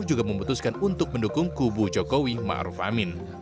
juga memutuskan untuk mendukung kubu jokowi ma'ruf amin